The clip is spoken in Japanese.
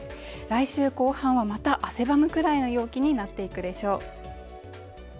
来週後半はまた汗ばむくらいの陽気になっていくでしょう